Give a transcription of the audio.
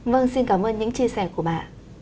vâng xin cảm ơn những chia sẻ của bà